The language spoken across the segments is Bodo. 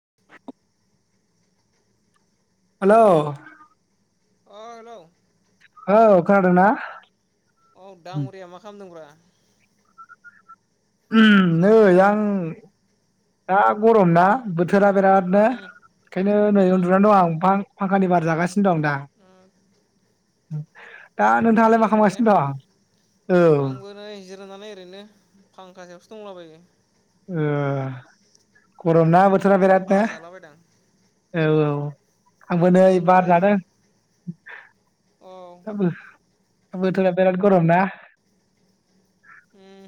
[inaudible] हेलौ अ हेलौ औ खानादों ना? औ दाङरिया मा खालामदोंब्रा? होम नै होम आं दा गरम ना बोथो थोरा बिरादनो उम ओंखायनो नै उम उन्दुनानै दं आं [unintelligible] फांखानि बार जागासिनो दं दा। दा नोंथाङालाय मा उन्दुना दं ने खालामगासिनो औ आंबो नै जिरायनानै ओरैनो फांखा सायावसो दंलाबायो [unintelligible] गरम ना बोथोरा एसे बिराद नो बार जालाबायदां औ औ। [unintelligible] आंबो बिराद नै गरमलै बार जादों औ [unintelligible] बोथोरा बिराद गरम ना? ओम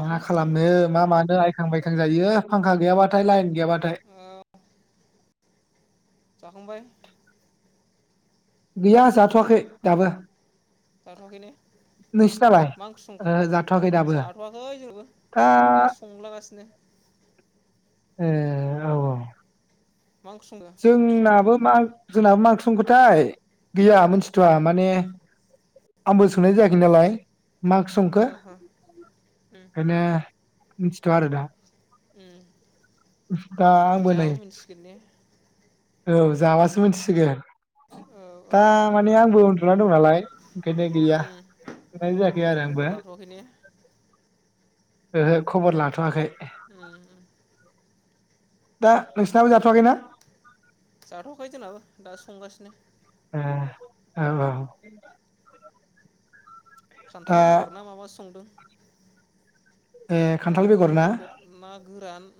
मा खालामनो मा मानो थांबाय थांजायो फांखा गैयाबाथाय लाइन गैयाबाथाय। औ जाखांबाय गैया जाथ'वाखै दाबो। जाथ'आखैनो नोंसिनालाय मा ओंख्रि ओ संखो जाथ'वाखै दाबो जाथ'वाखै जोंहाबो दा दासो संलागासिनो। ओ औ औ। मा ओंख्रि संखो जोंनाबो मा जोंनाबो मा ओंख्रि संखोथाय गैया मोनथिथ'आ माने आंबो सोंनाय जायाखै नालाय। मा ओंख्रि ओ संखो हो उम खायनो मिथिथ'वा आरो दा। उम [unintelligible] दा आंबो नै जाबा मिथिसिगोन ने औ जाबासो मिन्थिसिगोन। औ औ दा औ माने आंबो उन्दुनानै दं नालाय ओंखायनो गैया उम जानाय जायाखै आरो आंबो। खबर लाथ'वाखै ने ओहो खबर लाथ'वाखै। उम उम दा नोंसिनाबो जाथ'वाखैना? जाथ'खै जोंनाबो दासो संगासिनो। ए औ औ दा खान्थाल बेगर ना माबासो संदों। खान्थाल बेगर ना गोरान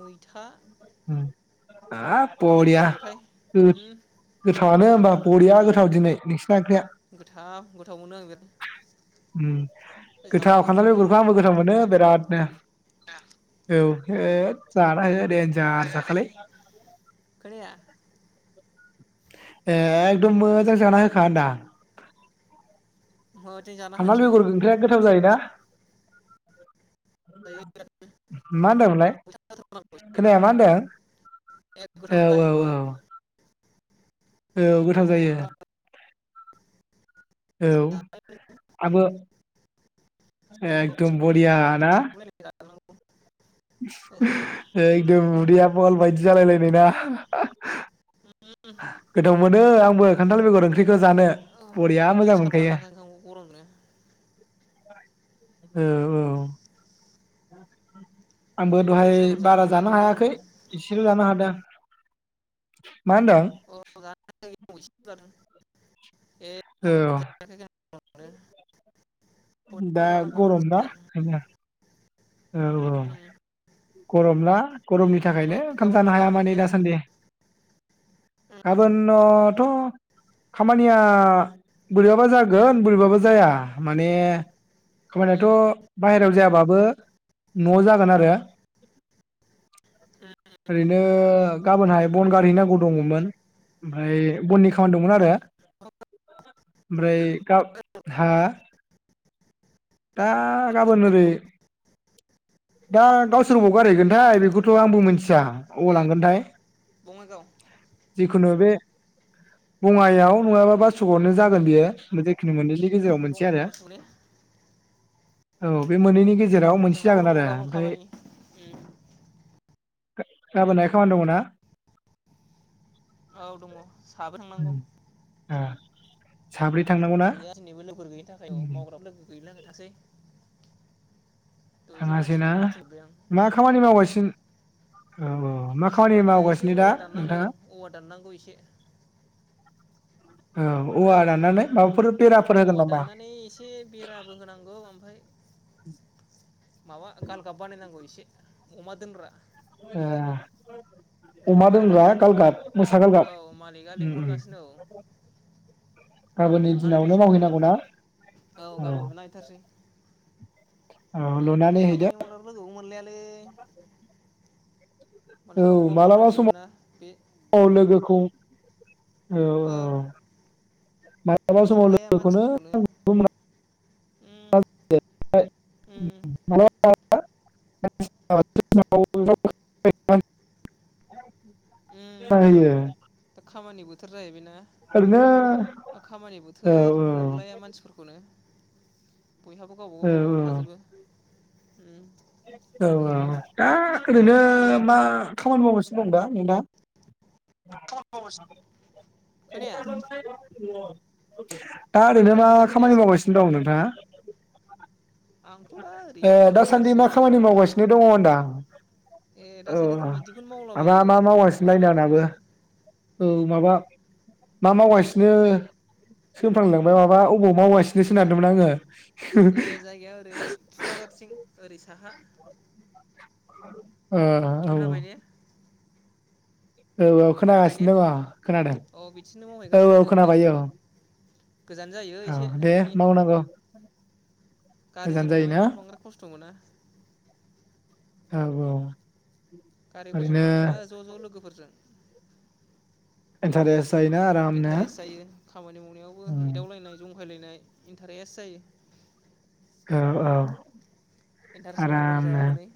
मै था उम हाब बरिया लथाय गोथ उम गोथावानो होमबा बरिया गोथाव दिनै। नोंस ओंख्रिया गोथाव गोथाव मोनो आं बिराद उम गोथाव जाखुलै खान्थाल बेगुरखौ बेजोंनो आंबो गोथाव मोनो बिरादनो औ ओ जानाय होदे दार जाखालै खोनाया एगदम मोजां जाना होखा होन्दां माबाथिं जाना खान्थाल होनोसै बेगर ओंख्रिया गोथाव जायो ना? [inaudible] मा होन्दोंमोनलाय? खोनाया मा होनदों गोथाव जायो औ औ औ औ गोथाव जायो ओ औ आबो एकदम बरिया ना? थांनांग' [unintelligible] ओइ गोब उदैयाब बल बायदि जालायलायना‌ गोथाव मोनो आं बो खान्थाल बेगर ओंख ओर औ ओरै दहय सारजाना जों गरम मोनो। औ औ आंबो ओरैनो दहाय सानाव बारा जानो हाखायाखै हायाखै गरमनो एसेल' जानो हादों। मा होनदों? गरमदो जानो हायाखै आंबो एसेल' जादों। [unintelligible] ए औ [unintelligible] [inaudible] दा खनसेल' जाबाय ओंखामखौनो गरम दा। दिनै औ औ। उम गरमना। गरमनि थाखायनो ओमफ्राय ओंखाम जानो गाबोनफोर हाया खामानि माने गैया दासान्दि उम गाबोन ओम खामानिया बोरैबाबा जागोन बोरैबाबो जाया माने। खामानियाथ' उम बाहेरायाव जाया बो। न' जागोन आरो उम ओरैनो गाबोनहाय बन गारहैनांगौ दङमोन ओमफ्राय बननि खामानि दंमोन आरो ओमफ्राय गाबोन हा। दा गाबोन ओरै दा गावसोर बबाव गारहैगोनथाय बेखौथ' आंबो मोनथि आबाव ए लांगोनथाय बङाइगाव [unintelligible] जिखुनु बे बङायाव नङाबा बासुगाआवनो जागोन बेयो। जिखुनो मोननैनि गेजेराव मोनसे आरो। बङाइगावआसो ने औ बे मोनैनि गेजेराव। मोनसे जोंनाबो जागोन दङ आरो गाबोन ओमफ्राय खामानि गाबोनहाय खामानि दङ ना। ओ दंङ [unintelligible] ओ साब्रै थांनांगौना [unintelligible] [inaudible] दहाय एसे थाङासै ना मानसिफोरखौ बुथुमबाय आं मा खामानि मावगासिनो। औ औ मा खामानि खामानिया एसे मावगासिनो दा औवा दाननांगौ नोंथाङा औवा दाननांगौ एसे औ औवा खोनाबाय दाननानै माबाफोर बेराफोर होगोन औवा नामा दाननानै एसे बेराबो होनांगौ ओमफफ्राय माबा गालगाब बानाय नांगौ इसे अमादोनग्रा ओ बेखौ अमा बानायना दोनग्रा हैथारनांगौनो गालगाब मोसा गालगाब औ मालिकआ उम उम लिंहरगासिनो औ गाबोन गाबोननि लुना दिनावनो हैथारसै मावहैनांगौ ना औ गाबोन लुना हैथारसै औ लुनानै हैदो खामानि मावला लोगो मोनल बे औ मालाबा बे समाव औ उम लोगोखौ औ औ मालाबा समाव मोनलाया लोगोखौनो मानसिफोरखौनो होयो ओरैनो औ [unintelligible] उम दा सायो खामानि बोथोर जाहैबाय ना खामानि बोथोर मोनलाया मानसिफोरखौनो बयहाबो गावबा गाव थाजोबो उम औ औ दा ओरैनो मा खामानि मावगासिनो दं दा नोंथां [inaudible] [unintelligible] [unintelligible] दा ओरैनो मा मोजां खामानि खोनायासै मावगासिनो दं नोंथाङा आंथ' दा ओ ओरैनो दासान्दि बेखारसो मा खामानि ओरैनो खा मावगासिनो दङ होनदां ए औ दासान्दिथ' बिदिखौनो माबा मावलाबायो मा मावगासिनो लायनांनाबो मालायफोरनाव औ माबा मा मावगासिनो सोंफ्रांलांबाय माबा आबाव मावगासिनो सो होननो नागेरदोंमोन आङो ए जायगाया ओरै थुक्राझारथिं ओरै साहा [inaudible] अ अ औ औ खोनाबाय ने औ औ खोनाबाय ने खोनागासिनो दङ खोनादों अ बिथिंनो औ मावहैगासिनो औ जों ओरै खोनाबाय औ गोजान जायो औ एसे दे न'नि मावनांगौ गोजान गारिजों थांनाय जायोना ना बांद्राय खस्थ' मोना औ औ गारिफोरजों ओरैनो थांनाय ना ज' ज' लोगोफोरजों इन्टारेस्ट जायोना आरामनो इन्टारेस्ट जायो खामानि मावनायावबो उम, एदावलायनाय ज गेलेनाय इन्टारेस्ट जायो औ औ इन्टारेस्ट मावाबानो जाया आरामनो हनै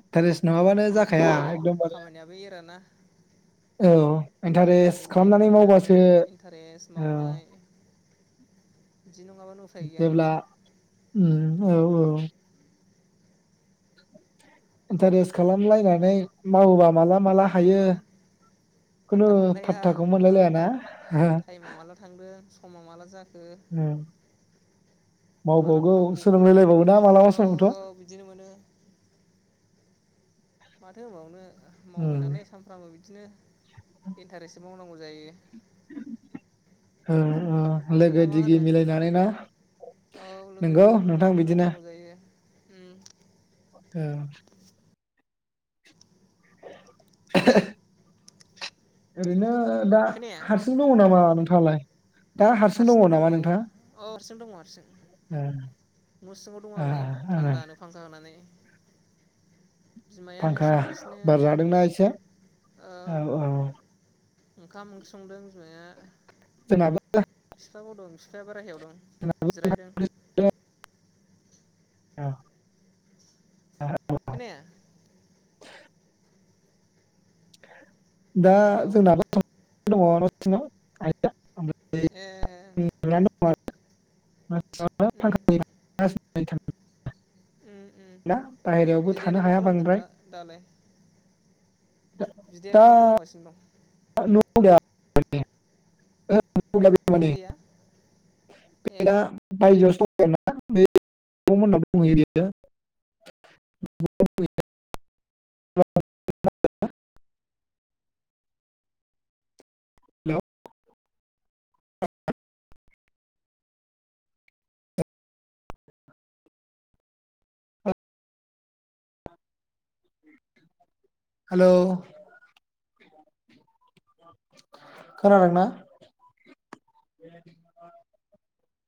इन्टारेस्ट नङाबानो जाखाया औ एकदमबारे खामानियाबो एरोना औ खेला इन्टारेस्ट दुला खालामनानै मावबासो एदावलायनानै इन्टारेस्ट औ मावनाय बिदि नङाबानो उफाय गैया नोङो जेब्ला उम औ औ इन्टारेस्ट खालामलायनानै मावोबा मालाब माला उम हायो फात्ता खुनु मोनलाया फाथथाखौ औ मोनलायलायाना टाइमा माला थांदों समा माला जाख उम माला मावबावगौ माला गखो सोलोंलायलायबावोना मालाबा औ समावथ' औ बिदिनो मोनो माथो होनबावनो मावबाय उम, नालाय सानफ्रामबो बिदिनो इन्टारेस्ट माव नांगौ जायो ओ -ओ ना मा होनो औ लोगो नंगौ दिगि नोंथां मिलायनानै बिदिनो मावनांगौ जायो उम। औ ओरैनो दा खोनाया हारसिं दङ नामा नोंथां? [unintelligible] हारसिंनो दं औ औ हारसिं दङ हारसिं ए नसिंआव दङ आ आं नै आङो थानदानो फांखा होनानै। बिमाया ओंख्रि फांखा संगासिनो बार जादोंना एसे औ -औ ओंखाम ओंख्रि संदों बिमाया जोंनाबो फिफाबो दं बिफाया बारहायाव [unintelligible] जिरायदों औ ओहो खोनाया दा हेलौ [unintelligible] [unintelligible] ए उन्दुनानै दं आरो उम [unintelligible] [unintelligible] उम उम थांला बाहेरायावबो थानो बिदायालाय मा हाया खालामदों बांद्राय दा दालाय बिदायालाय मा खालामगासिनो दं? [inaudible] [unintelligible] बेना न'आव गैया ओमफाय दा बायजोआवसो [unintelligible] बियो हेलौ खोनादों ना?